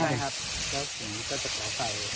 อันนี้ก็จะปล่อยไป